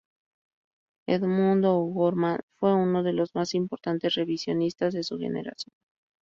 Edmundo O'Gorman fue uno de los más importantes revisionistas de su generación.